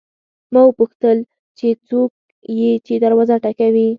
ما وپوښتل چې څوک یې چې دروازه ټکوي.